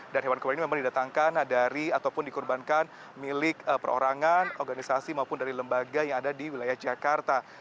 dan hewan kurban ini memang didatangkan dari ataupun dikurbankan milik perorangan organisasi maupun dari lembaga yang ada di wilayah jakarta